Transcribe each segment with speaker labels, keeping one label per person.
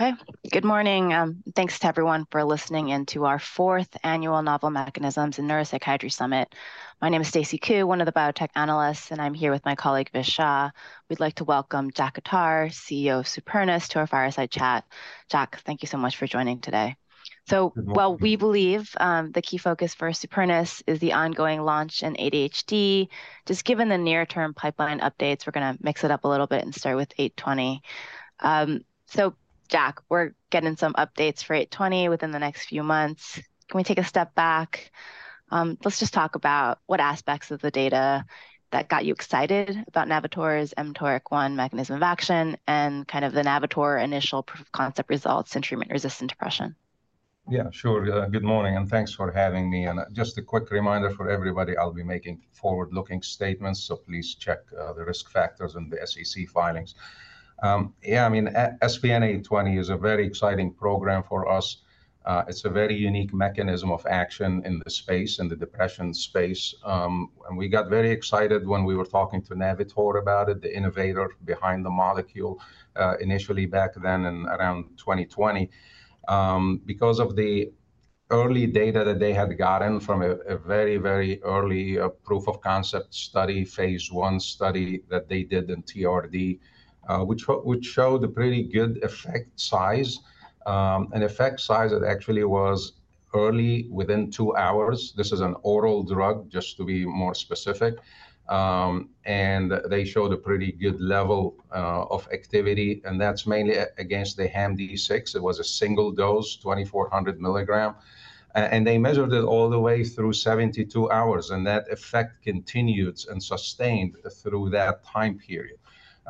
Speaker 1: Okay. Good morning. Thanks to everyone for listening in to our fourth annual Novel Mechanisms in Neuropsychiatry Summit. My name is Stacy Ku, one of the biotech analysts, and I'm here with my colleague, Vish Shah. We'd like to welcome Jack Khattar, CEO of Supernus, to our fireside chat. Jack, thank you so much for joining today.
Speaker 2: Good morning.
Speaker 1: So while we believe, the key focus for Supernus is the ongoing launch in ADHD, just given the near-term pipeline updates, we're gonna mix it up a little bit and start with 820. So Jack, we're getting some updates for 820 within the next few months. Can we take a step back? Let's just talk about what aspects of the data that got you excited about Navitor's mTORC1 mechanism of action and kind of the Navitor initial proof of concept results in treatment-resistant depression.
Speaker 2: Yeah, sure. Good morning, and thanks for having me. And just a quick reminder for everybody, I'll be making forward-looking statements, so please check the risk factors in the SEC filings. Yeah, I mean, SPN-820 is a very exciting program for us. It's a very unique mechanism of action in the space, in the depression space. And we got very excited when we were talking to Navitor about it, the innovator behind the molecule, initially back then in around 2020. Because of the early data that they had gotten from a very, very early proof of concept study, phase I study that they did in TRD, which showed a pretty good effect size, an effect size that actually was early within two hours. This is an oral drug, just to be more specific. And they showed a pretty good level of activity, and that's mainly against the HAMD-6. It was a single dose, 2400 mg, and they measured it all the way through 72 hours, and that effect continued and sustained through that time period.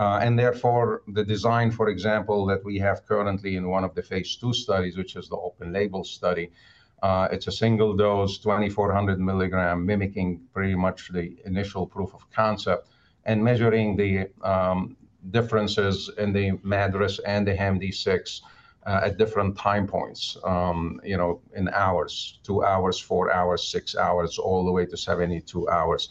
Speaker 2: And therefore, the design, for example, that we have currently in one of the phase II studies, which is the open label study, it's a single dose, 2400 mg, mimicking pretty much the initial proof of concept and measuring the differences in the MADRS and the HAMD-6 at different time points, you know, in hours, two hours, four hours, six hours, all the way to 72 hours.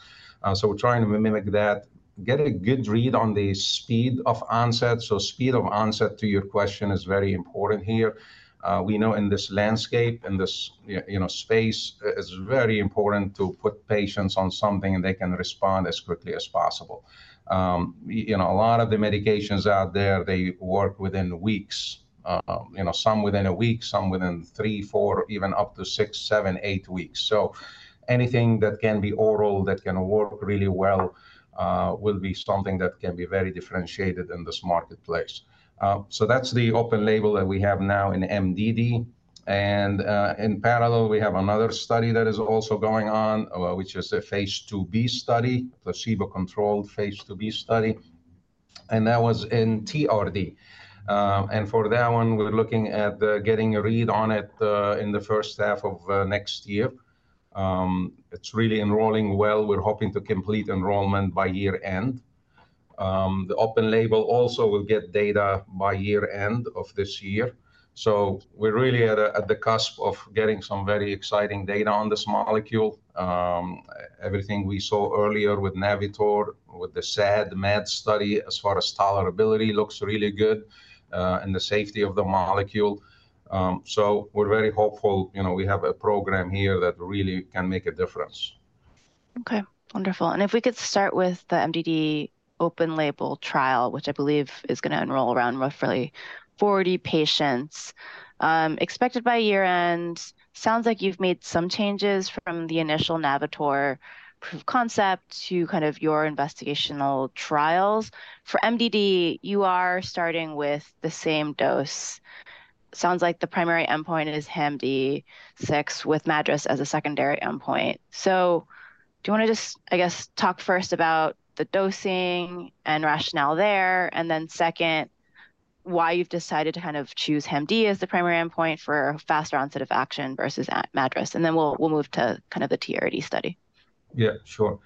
Speaker 2: So we're trying to mimic that, get a good read on the speed of onset. So speed of onset, to your question, is very important here. We know in this landscape, in this, yeah, you know, space, it's very important to put patients on something, and they can respond as quickly as possible. You know, a lot of the medications out there, they work within weeks, you know, some within a week, some within three, four, even up to six, seven, eight weeks. So anything that can be oral, that can work really well, will be something that can be very differentiated in this marketplace. So that's the open label that we have now in MDD, and, in parallel, we have another study that is also going on, which is a phase II-b study, placebo-controlled phase II-b study, and that was in TRD. And for that one, we're looking at, getting a read on it, in the first half of, next year. It's really enrolling well. We're hoping to complete enrollment by year-end. The open label also will get data by year-end of this year, so we're really at the cusp of getting some very exciting data on this molecule. Everything we saw earlier with Navitor, with the SAD/MAD study, as far as tolerability, looks really good, and the safety of the molecule. So we're very hopeful. You know, we have a program here that really can make a difference.
Speaker 1: Okay, wonderful. And if we could start with the MDD open label trial, which I believe is gonna enroll around roughly 40 patients, expected by year-end. Sounds like you've made some changes from the initial Navitor proof of concept to kind of your investigational trials. For MDD, you are starting with the same dose. Sounds like the primary endpoint is HAMD-6, with MADRS as a secondary endpoint. So do you wanna just, I guess, talk first about the dosing and rationale there, and then second, why you've decided to kind of choose HAMD as the primary endpoint for faster onset of action versus a MADRS? And then we'll move to kind of the TRD study.
Speaker 2: Yeah, sure.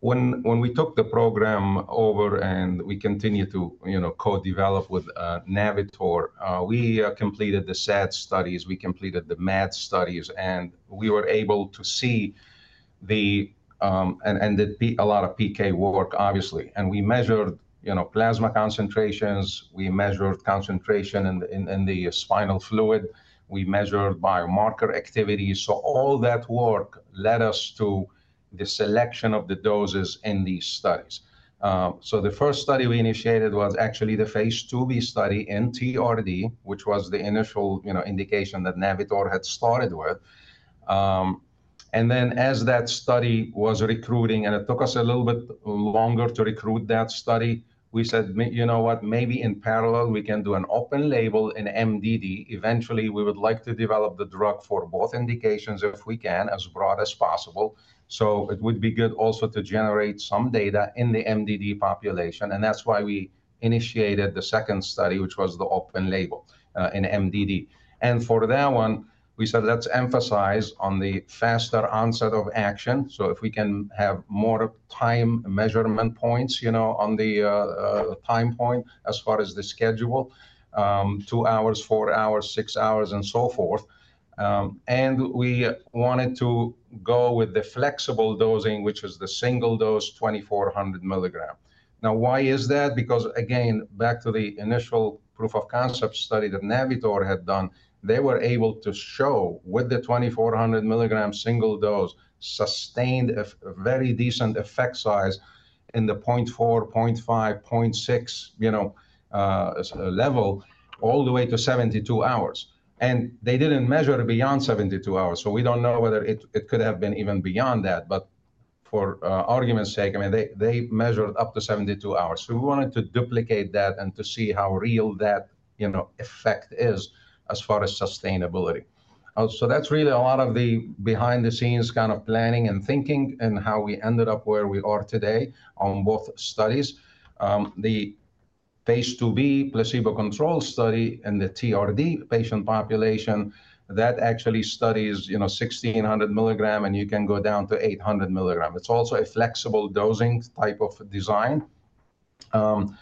Speaker 2: When we took the program over, and we continued to, you know, co-develop with Navitor, we completed the SAD studies, we completed the MAD studies, and we were able to see the... And a lot of PK work, obviously. And we measured, you know, plasma concentrations, we measured concentration in the spinal fluid, we measured biomarker activity. So all that work led us to the selection of the doses in these studies. So the first study we initiated was actually the phase II-b study in TRD, which was the initial, you know, indication that Navitor had started with. And then as that study was recruiting, and it took us a little bit longer to recruit that study, we said, "you know what? Maybe in parallel, we can do an open label in MDD. Eventually, we would like to develop the drug for both indications if we can, as broad as possible. So it would be good also to generate some data in the MDD population." And that's why we initiated the second study, which was the open label in MDD. And for that one, we said, "Let's emphasize on the faster onset of action." So if we can have more time measurement points, you know, on the time point as far as the schedule, two hours, four hours, six hours, and so forth. And we wanted to go with the flexible dosing, which is the single dose, 2,400 mg. Now, why is that? Because, again, back to the initial proof of concept study that Navitor had done, they were able to show, with the 2,400 mg single dose, sustained a very decent effect size in the point four, point five, point six, you know, level, all the way to 72 hours. And they didn't measure beyond 72 hours, so we don't know whether it could have been even beyond that, but for argument's sake, I mean, they measured up to 72 hours. So we wanted to duplicate that and to see how real that, you know, effect is as far as sustainability. So that's really a lot of the behind-the-scenes kind of planning and thinking and how we ended up where we are today on both studies. The phase II-b placebo-controlled study and the TRD patient population, that actually studies, you know, 1,600 mg, and you can go down to 800 mg. It's also a flexible dosing type of design. And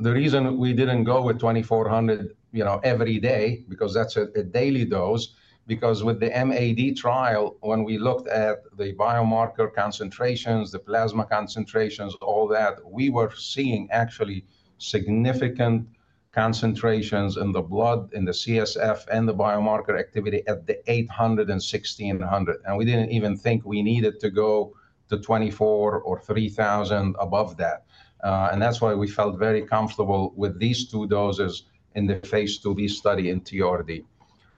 Speaker 2: the reason we didn't go with 2,400, you know, every day, because that's a daily dose, because with the MAD trial, when we looked at the biomarker concentrations, the plasma concentrations, all that, we were seeing actually significant concentrations in the blood, in the CSF, and the biomarker activity at the 800 and 1,600, and we didn't even think we needed to go to 2,400 or 3,000 above that. And that's why we felt very comfortable with these two doses in the phase II-b study in TRD.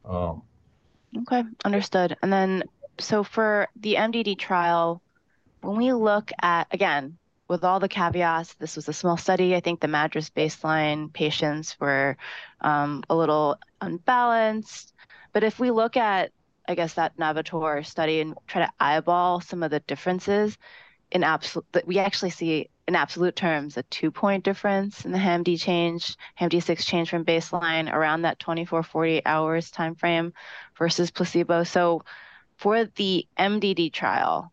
Speaker 2: Okay, understood. And then, so for the MDD trial, when we look at... Again, with all the caveats, this was a small study. I think the MADRS baseline patients were a little unbalanced. But if we look at, I guess, that Navitor study and try to eyeball some of the differences, in absolute, we actually see, in absolute terms, a two-point difference in the HAMD change, HAMD-6 change from baseline around that 24-48 hours timeframe versus placebo. So for the MDD trial,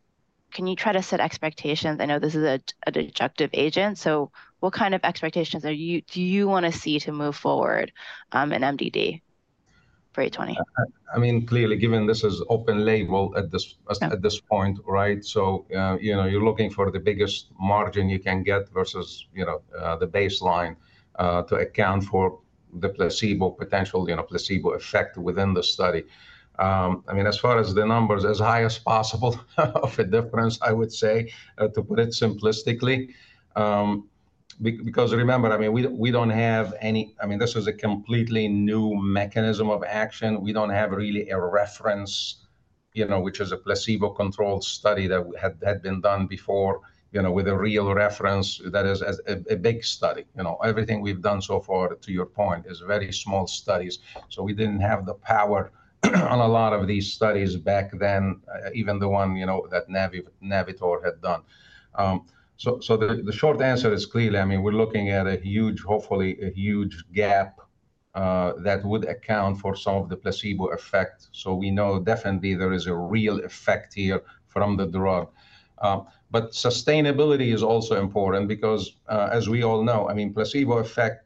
Speaker 2: can you try to set expectations? I know this is an adjunctive agent, so what kind of expectations do you want to see to move forward in MDD for 820? I mean, clearly, given this is open label at this-
Speaker 1: Yeah...
Speaker 2: at this point, right? So, you know, you're looking for the biggest margin you can get versus, you know, the baseline, to account for the placebo potential, you know, placebo effect within the study. I mean, as far as the numbers, as high as possible, of a difference, I would say, to put it simplistically. Because remember, I mean, this is a completely new mechanism of action. We don't have really a reference, you know, which is a placebo-controlled study that had been done before, you know, with a real reference that is as a big study. You know, everything we've done so far, to your point, is very small studies, so we didn't have the power on a lot of these studies back then, even the one, you know, that Navitor had done. So the short answer is clearly, I mean, we're looking at a huge, hopefully a huge gap, that would account for some of the placebo effect. So we know definitely there is a real effect here from the drug. But sustainability is also important because, as we all know, I mean, placebo effect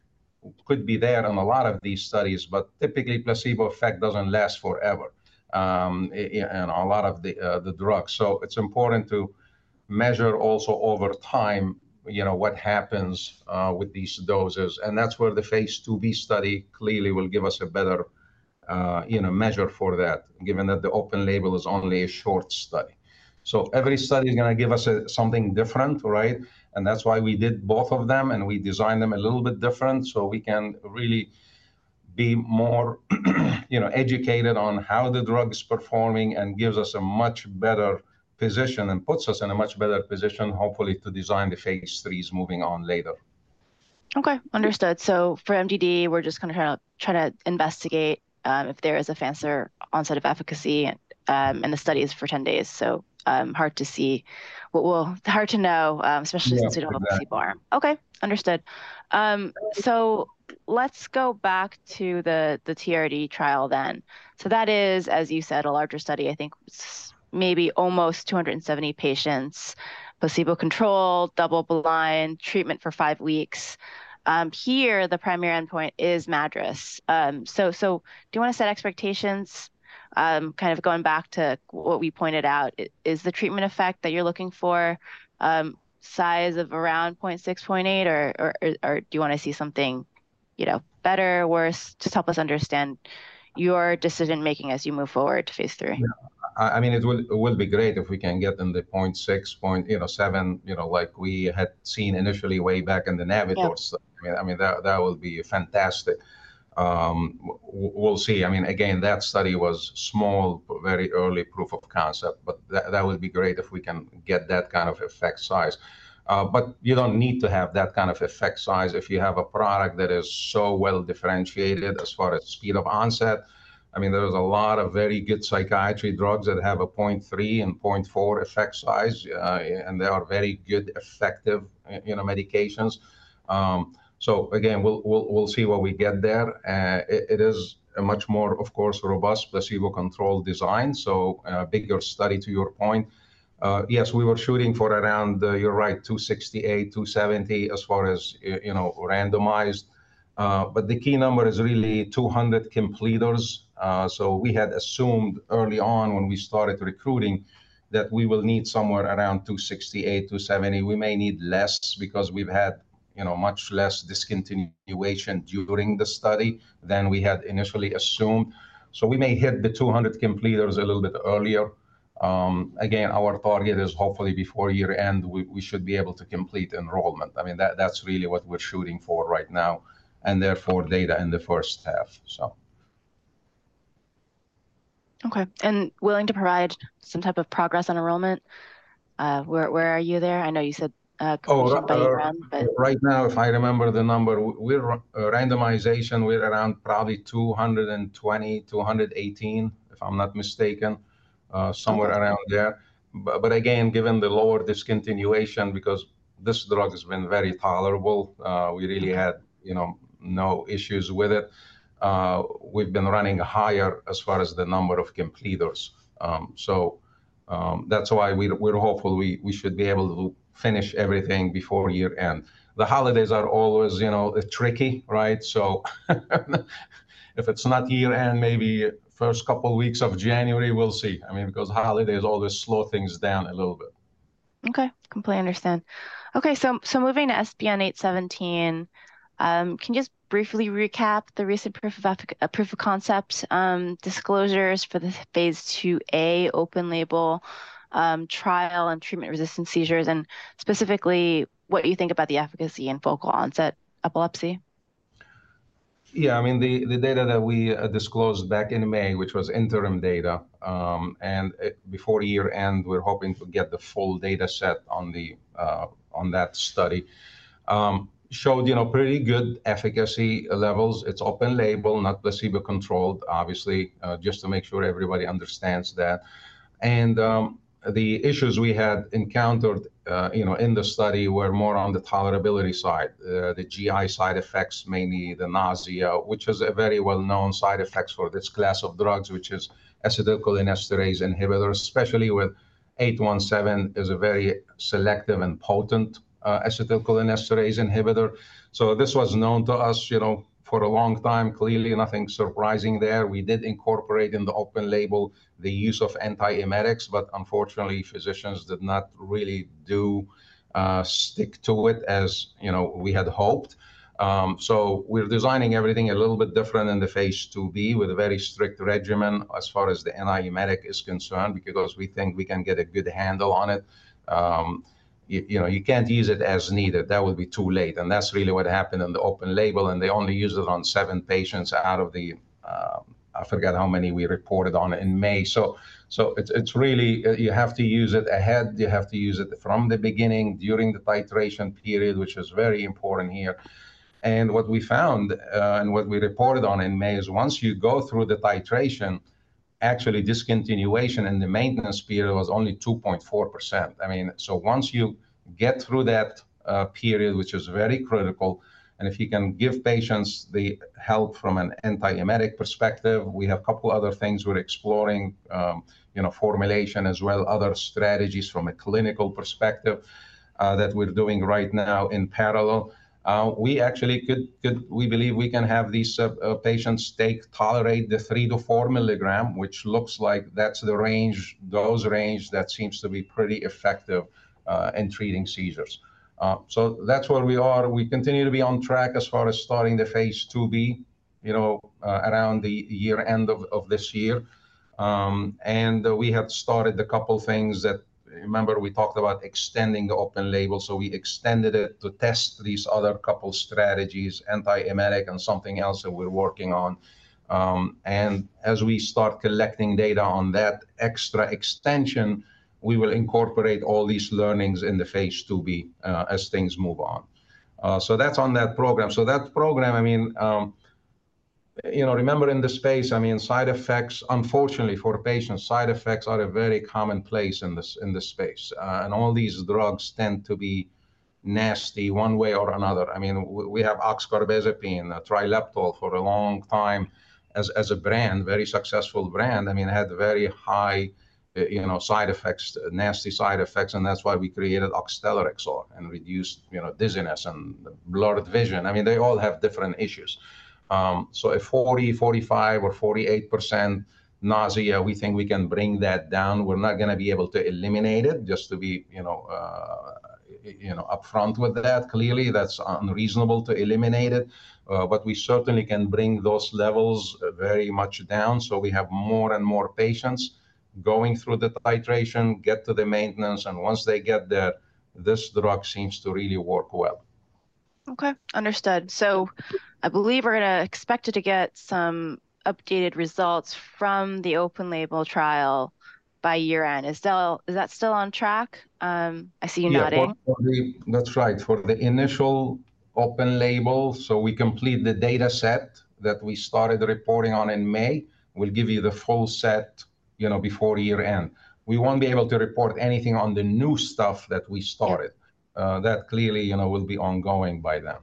Speaker 2: could be there on a lot of these studies, but typically, placebo effect doesn't last forever, in a lot of the drugs. So it's important to measure also over time, you know, what happens, with these doses, and that's where the phase II-b study clearly will give us a better, you know, measure for that, given that the open label is only a short study. So every study is gonna give us, something different, right? And that's why we did both of them, and we designed them a little bit different so we can really be more, you know, educated on how the drug is performing and gives us a much better position and puts us in a much better position, hopefully, to design the phase IIIs moving on later.
Speaker 1: Okay, understood. So for MDD, we're just gonna try to investigate if there is a faster onset of efficacy, and the study is for 10 days, so hard to see. Well, hard to know.
Speaker 2: Yeah, correct...
Speaker 1: especially since we don't have a placebo arm. Okay, understood. So let's go back to the TRD trial then. So that is, as you said, a larger study. I think maybe almost two hundred and seventy patients, placebo-controlled, double-blind, treatment for five weeks. Here, the primary endpoint is MADRS. So do you want to set expectations? Kind of going back to what we pointed out, is the treatment effect that you're looking for, size of around point six, point eight, or do you want to see something, you know, better or worse? Just help us understand your decision-making as you move forward to phase III.
Speaker 2: Yeah. I mean, it would be great if we can get in the point six, point, you know, seven, you know, like we had seen initially way back in the Navitor's.
Speaker 1: Yeah.
Speaker 2: I mean, that would be fantastic. We'll see. I mean, again, that study was small, very early proof of concept, but that would be great if we can get that kind of effect size. But you don't need to have that kind of effect size if you have a product that is so well-differentiated as far as speed of onset. I mean, there is a lot of very good psychiatry drugs that have a point three and point four effect size, and they are very good, effective, you know, medications. So again, we'll see what we get there. It is a much more, of course, robust placebo-controlled design, so bigger study, to your point. Yes, we were shooting for around, you're right, 268, 270, as far as, you know, randomized. But the key number is really 200 completers. So we had assumed early on when we started recruiting, that we will need somewhere around 268, 270. We may need less because we've had, you know, much less discontinuation during the study than we had initially assumed. So we may hit the 200 completers a little bit earlier. Again, our target is hopefully before year-end, we, we should be able to complete enrollment. I mean, that- that's really what we're shooting for right now, and therefore, data in the first half, so....
Speaker 1: Okay, and willing to provide some type of progress on enrollment? Where, where are you there? I know you said completion by year-end, but-
Speaker 2: Right now, if I remember the number, we're at randomization, we're around probably 220 to 118, if I'm not mistaken, somewhere around there. But again, given the lower discontinuation, because this drug has been very tolerable, we really had, you know, no issues with it, we've been running higher as far as the number of completers. So, that's why we're hopeful we should be able to finish everything before year-end. The holidays are always, you know, tricky, right? So if it's not year-end, maybe first couple weeks of January, we'll see. I mean, because holidays always slow things down a little bit.
Speaker 1: Okay. Completely understand. Okay, so, so moving to SPN-817, can you just briefly recap the recent proof of concept disclosures for the phase II-a open label trial on treatment-resistant seizures, and specifically, what you think about the efficacy in focal onset epilepsy?
Speaker 2: Yeah, I mean, the data that we disclosed back in May, which was interim data, and before year-end, we're hoping to get the full data set on that study. It showed, you know, pretty good efficacy levels. It's open label, not placebo-controlled, obviously, just to make sure everybody understands that. And the issues we had encountered, you know, in the study were more on the tolerability side. The GI side effects, mainly the nausea, which is a very well-known side effects for this class of drugs, which is acetylcholinesterase inhibitor, especially with 817 is a very selective and potent acetylcholinesterase inhibitor. So this was known to us, you know, for a long time. Clearly, nothing surprising there. We did incorporate in the open label the use of antiemetics, but unfortunately, physicians did not really do stick to it as, you know, we had hoped. So we're designing everything a little bit different in the phase II-b with a very strict regimen as far as the antiemetic is concerned, because we think we can get a good handle on it. You know, you can't use it as needed. That would be too late, and that's really what happened in the open label, and they only used it on seven patients out of the, I forget how many we reported on in May. So it's really, you have to use it ahead, you have to use it from the beginning, during the titration period, which is very important here. What we found, and what we reported on in May is once you go through the titration, actually discontinuation in the maintenance period was only 2.4%. I mean, so once you get through that period, which is very critical, and if you can give patients the help from an antiemetic perspective, we have a couple other things we're exploring, you know, formulation as well, other strategies from a clinical perspective, that we're doing right now in parallel. We actually could. We believe we can have these patients tolerate the 3 mg to 4 mg, which looks like that's the range, dose range that seems to be pretty effective in treating seizures. So that's where we are. We continue to be on track as far as starting the phase II-b, you know, around the year-end of this year. And we have started a couple things that... Remember, we talked about extending the open label, so we extended it to test these other couple strategies, antiemetic and something else that we're working on. And as we start collecting data on that extra extension, we will incorporate all these learnings in the phase II-b as things move on. So that's on that program. So that program, I mean, you know, remember in the space, I mean, side effects, unfortunately for the patient, side effects are a very common place in this space. And all these drugs tend to be nasty one way or another. I mean, we have oxcarbazepine, Trileptal for a long time as, as a brand, very successful brand, I mean, had very high, you know, side effects, nasty side effects, and that's why we created Oxtellar XR and reduced, you know, dizziness and blurred vision. I mean, they all have different issues. So a 40, 45, or 48% nausea, we think we can bring that down. We're not gonna be able to eliminate it, just to be, you know, you know, upfront with that. Clearly, that's unreasonable to eliminate it, but we certainly can bring those levels very much down, so we have more and more patients going through the titration, get to the maintenance, and once they get there, this drug seems to really work well.
Speaker 1: Okay, understood. So I believe we're gonna expect to get some updated results from the open label trial by year-end. Is that still on track? I see you nodding.
Speaker 2: Yeah, for the. That's right. For the initial open label, so we complete the data set that we started reporting on in May. We'll give you the full set, you know, before year-end. We won't be able to report anything on the new stuff that we started.
Speaker 1: Yeah.
Speaker 2: That clearly, you know, will be ongoing by then.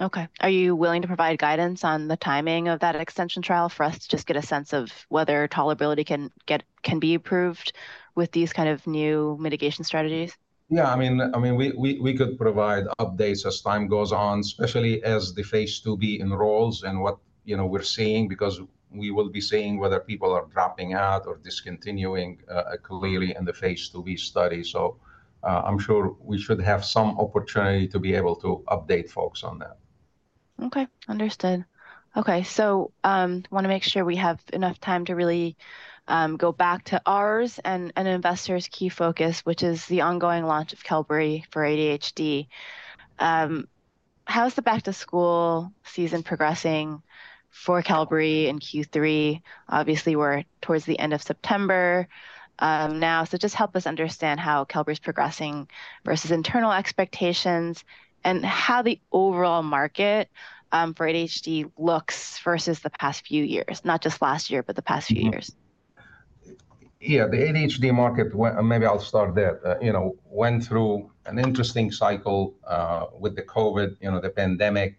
Speaker 1: Okay. Are you willing to provide guidance on the timing of that extension trial for us to just get a sense of whether tolerability can be improved with these kind of new mitigation strategies?
Speaker 2: Yeah, I mean, we could provide updates as time goes on, especially as the phase II-b enrolls and what, you know, we're seeing, because we will be seeing whether people are dropping out or discontinuing clearly in the phase II-b study. So, I'm sure we should have some opportunity to be able to update folks on that.
Speaker 1: Okay, understood. Okay, so, wanna make sure we have enough time to really go back to ours and, and investors' key focus, which is the ongoing launch of Qelbree for ADHD. How is the back-to-school season progressing for Qelbree in Q3? Obviously, we're towards the end of September, now, so just help us understand how Qelbree's progressing versus internal expectations, and how the overall market for ADHD looks versus the past few years, not just last year, but the past few years.
Speaker 2: Mm-hmm. Yeah, the ADHD market, well, maybe I'll start there, you know, went through an interesting cycle with the COVID, you know, the pandemic,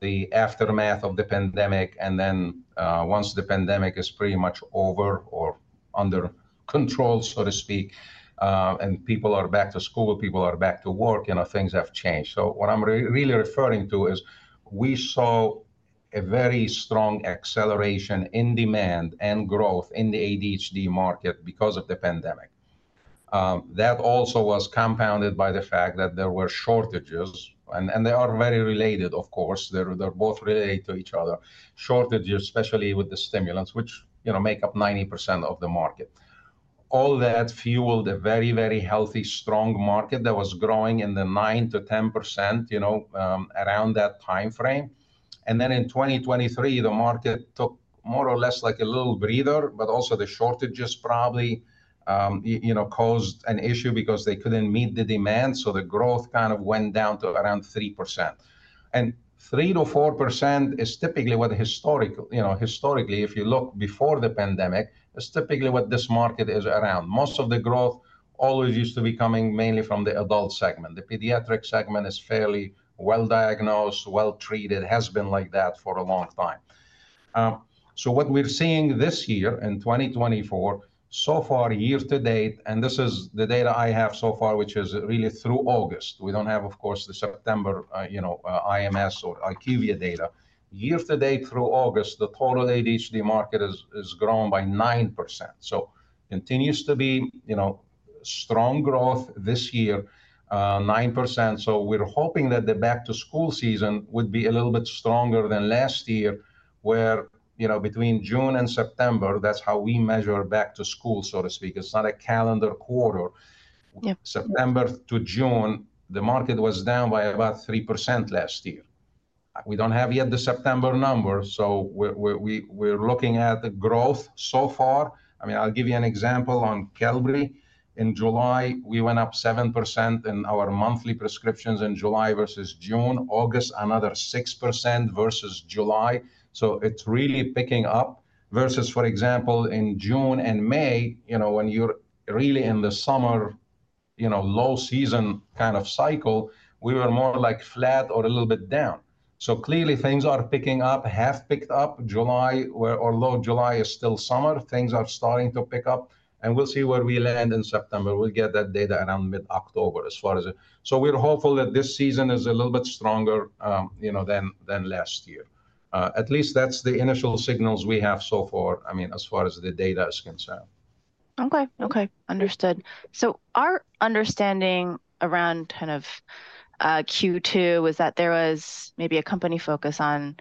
Speaker 2: the aftermath of the pandemic, and then once the pandemic is pretty much over or under control, so to speak, and people are back to school, or people are back to work, you know, things have changed. So what I'm really referring to is we saw a very strong acceleration in demand and growth in the ADHD market because of the pandemic. That also was compounded by the fact that there were shortages and they are very related, of course. They're, they both relate to each other. Shortages, especially with the stimulants, which, you know, make up 90% of the market. All that fueled a very, very healthy, strong market that was growing in the 9%-10%, you know, around that timeframe. Then in 2023, the market took more or less like a little breather, but also the shortages probably, you know, caused an issue because they couldn't meet the demand, so the growth kind of went down to around 3%. And 3%-4% is typically what historically. You know, historically, if you look before the pandemic, is typically what this market is around. Most of the growth always used to be coming mainly from the adult segment. The pediatric segment is fairly well-diagnosed, well-treated, has been like that for a long time. So what we're seeing this year, in 2024, so far, year to date, and this is the data I have so far, which is really through August. We don't have, of course, the September, you know, IMS or IQVIA data. Year to date through August, the total ADHD market is, has grown by 9%, so continues to be, you know, strong growth this year, nine percent. So we're hoping that the back-to-school season would be a little bit stronger than last year, where, you know, between June and September, that's how we measure back to school, so to speak. It's not a calendar quarter.
Speaker 1: Yep.
Speaker 2: September to June, the market was down by about 3% last year. We don't have yet the September numbers, so we're looking at the growth so far. I mean, I'll give you an example on Qelbree. In July, we went up 7% in our monthly prescriptions in July versus June. August, another 6% versus July, so it's really picking up. Versus, for example, in June and May, you know, when you're really in the summer, you know, low season kind of cycle, we were more, like, flat or a little bit down. So clearly things are picking up, have picked up. July, where although July is still summer, things are starting to pick up, and we'll see where we land in September. We'll get that data around mid-October as far as it... We're hopeful that this season is a little bit stronger, you know, than last year. At least that's the initial signals we have so far, I mean, as far as the data is concerned.
Speaker 1: Okay. Okay, understood. So our understanding around kind of, Q2 was that there was maybe a company focus on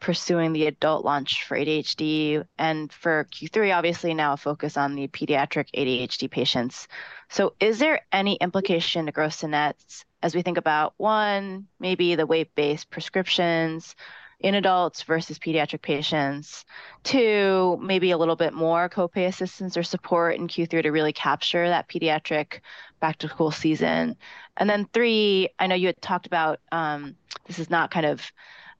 Speaker 1: pursuing the adult launch for ADHD, and for Q3, obviously now a focus on the pediatric ADHD patients. So is there any implication to gross to nets as we think about, one, maybe the weight-based prescriptions in adults versus pediatric patients? Two, maybe a little bit more co-pay assistance or support in Q3 to really capture that pediatric back-to-school season. And then three, I know you had talked about, this is not kind of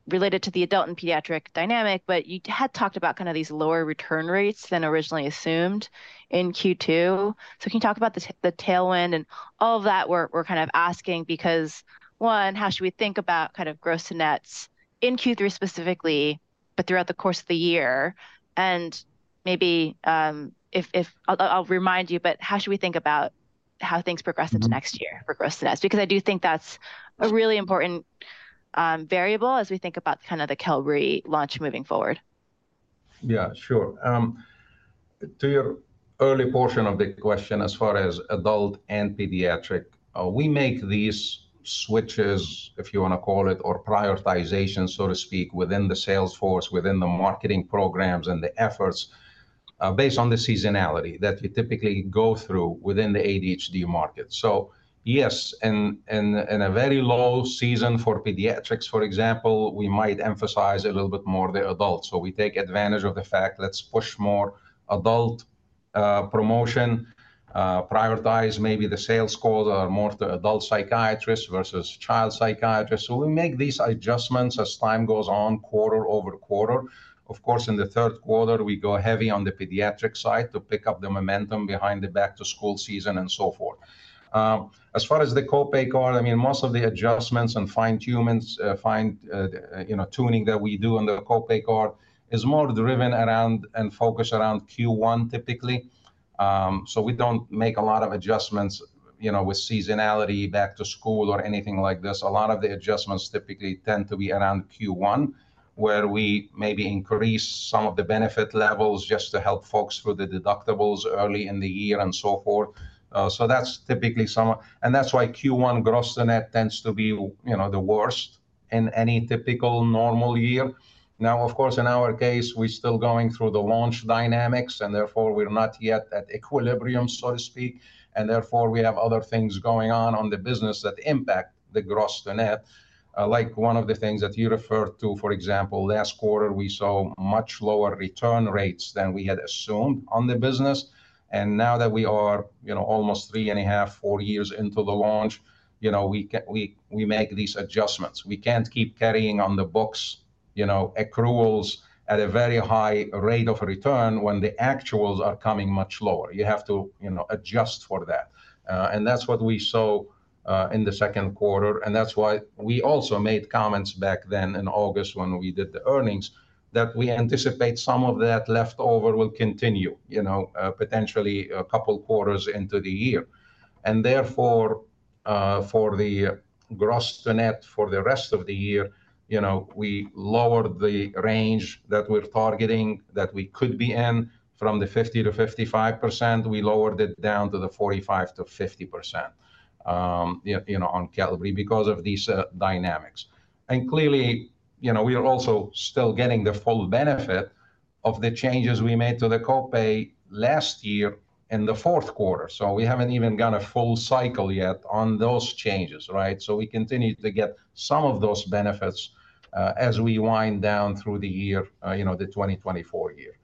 Speaker 1: related to the adult and pediatric dynamic, but you had talked about kind of these lower return rates than originally assumed in Q2. So can you talk about the tailwind and all of that we're kind of asking, because, one, how should we think about kind of gross to nets in Q3 specifically, but throughout the course of the year? And maybe, if, I'll remind you, but how should we think about how things progress-
Speaker 2: Mm-hmm...
Speaker 1: into next year for gross to nets? Because I do think that's a really important variable as we think about kind of the Qelbree launch moving forward.
Speaker 2: Yeah, sure. To your early portion of the question, as far as adult and pediatric, we make these switches, if you wanna call it, or prioritization, so to speak, within the sales force, within the marketing programs, and the efforts, based on the seasonality that we typically go through within the ADHD market. So yes, in a very low season for pediatrics, for example, we might emphasize a little bit more the adults. So we take advantage of the fact, let's push more adult promotion, prioritize maybe the sales calls or more of the adult psychiatrists versus child psychiatrists. So we make these adjustments as time goes on, quarter over quarter. Of course, in the third quarter, we go heavy on the pediatric side to pick up the momentum behind the back-to-school season and so forth. As far as the co-pay card, I mean, most of the adjustments and fine tuning that we do on the co-pay card is more driven around and focused around Q1, typically, so we don't make a lot of adjustments, you know, with seasonality, back to school, or anything like this. A lot of the adjustments typically tend to be around Q1, where we maybe increase some of the benefit levels just to help folks with the deductibles early in the year and so forth, so that's typically summer, and that's why Q1 gross to net tends to be, you know, the worst in any typical normal year. Now, of course, in our case, we're still going through the launch dynamics, and therefore, we're not yet at equilibrium, so to speak, and therefore, we have other things going on in the business that impact the gross to net. Like one of the things that you referred to, for example, last quarter, we saw much lower return rates than we had assumed on the business, and now that we are, you know, almost three and a half, four years into the launch, you know, we make these adjustments. We can't keep carrying on the books, you know, accruals at a very high rate of return when the actuals are coming much lower. You have to, you know, adjust for that. And that's what we saw in the second quarter, and that's why we also made comments back then in August when we did the earnings, that we anticipate some of that leftover will continue, you know, potentially a couple quarters into the year. And therefore, for the gross to net for the rest of the year, you know, we lowered the range that we're targeting, that we could be in, from the 50%-55%, we lowered it down to the 45%-50%, you know, on Qelbree because of these dynamics. And clearly, you know, we are also still getting the full benefit of the changes we made to the co-pay last year in the fourth quarter. So we haven't even gotten a full cycle yet on those changes, right? So we continue to get some of those benefits, as we wind down through the year, you know, the 2024 year.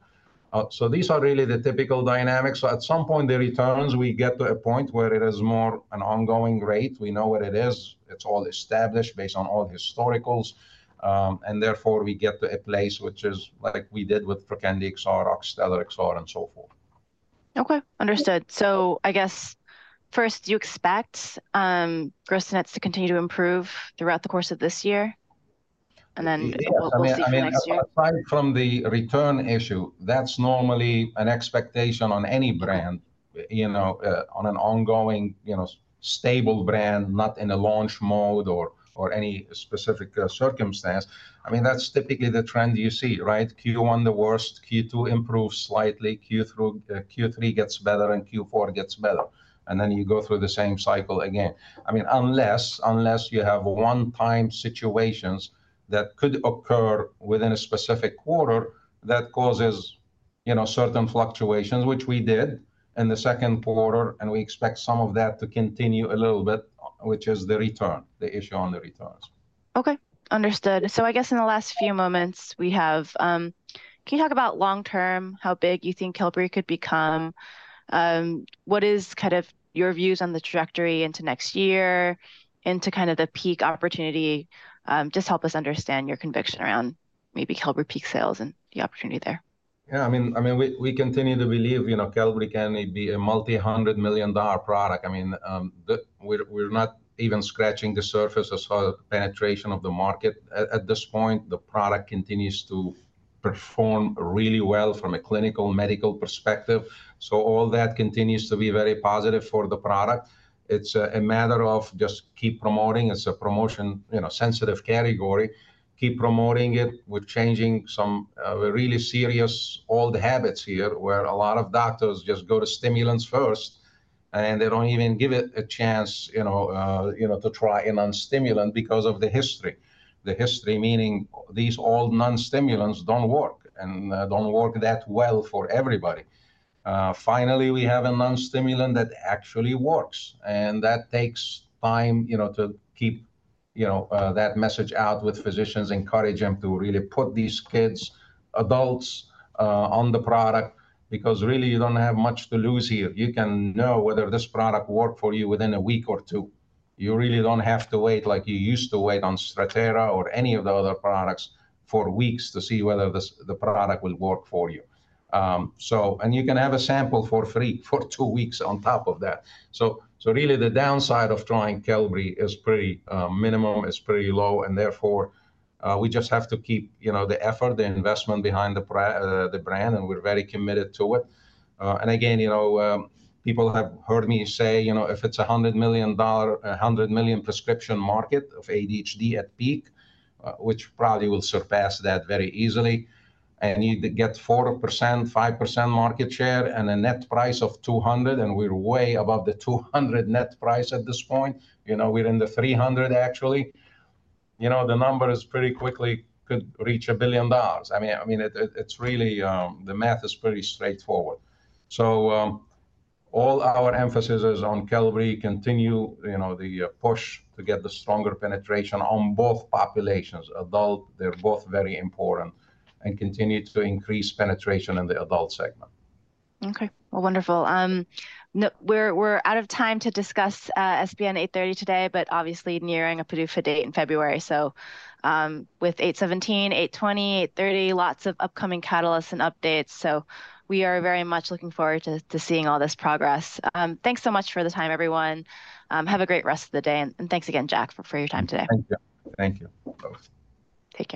Speaker 2: So these are really the typical dynamics. So at some point, the returns, we get to a point where it is more an ongoing rate. We know what it is. It's all established based on all the historicals, and therefore, we get to a place which is like we did with Trokendi XR, Oxtellar XR, and so forth.
Speaker 1: Okay, understood. So I guess, first, do you expect gross nets to continue to improve throughout the course of this year, and then-
Speaker 2: Yes, I mean-
Speaker 1: We'll see next year?...
Speaker 2: aside from the return issue, that's normally an expectation on any brand, you know, on an ongoing, you know, stable brand, not in a launch mode or any specific circumstance. I mean, that's typically the trend you see, right? Q1, the worst, Q2, improves slightly, Q3 gets better, and Q4 gets better. And then you go through the same cycle again. I mean, unless you have one-time situations that could occur within a specific quarter that causes, you know, certain fluctuations, which we did in the second quarter, and we expect some of that to continue a little bit, which is the return, the issue on the returns.
Speaker 1: Okay, understood. So I guess in the last few moments we have, can you talk about long term, how big you think Qelbree could become? What is kind of your views on the trajectory into next year, into kind of the peak opportunity? Just help us understand your conviction around maybe Qelbree peak sales and the opportunity there.
Speaker 2: Yeah, I mean, we continue to believe, you know, Qelbree can be a multi-hundred million dollar product. I mean, we're not even scratching the surface as far as penetration of the market. At this point, the product continues to perform really well from a clinical, medical perspective, so all that continues to be very positive for the product. It's a matter of just keep promoting. It's a promotion-sensitive category. Keep promoting it. We're changing some really serious old habits here, where a lot of doctors just go to stimulants first, and they don't even give it a chance, you know, to try a non-stimulant because of the history. The history, meaning these old non-stimulants don't work and don't work that well for everybody. Finally, we have a non-stimulant that actually works, and that takes time, you know, to keep, you know, that message out with physicians, encourage them to really put these kids, adults, on the product, because really, you don't have much to lose here. You can know whether this product work for you within a week or two. You really don't have to wait, like you used to wait on Strattera or any of the other products, for weeks to see whether the product will work for you. So, and you can have a sample for free for two weeks on top of that. So, so really, the downside of trying Qelbree is pretty minimum, is pretty low, and therefore, we just have to keep, you know, the effort, the investment behind the brand, and we're very committed to it. And again, you know, people have heard me say, you know, if it's a $100 million, a $100 million prescription market of ADHD at peak, which probably will surpass that very easily, and you need to get 4%-5% market share and a net price of $200, and we're way above the $200 net price at this point, you know, we're in the $300 actually, you know, the number is pretty quickly could reach $1 billion. I mean, it's really, the math is pretty straightforward. So, all our emphasis is on Qelbree continue, you know, the push to get the stronger penetration on both populations, adult, they're both very important, and continue to increase penetration in the adult segment.
Speaker 1: Okay. Well, wonderful. We're out of time to discuss 830 today, but obviously nearing a PDUFA date in February. So, with 817, 820, 830, lots of upcoming catalysts and updates, so we are very much looking forward to seeing all this progress. Thanks so much for the time, everyone. Have a great rest of the day, and thanks again, Jack, for your time today.
Speaker 2: Thank you. Thank you.
Speaker 1: Take care.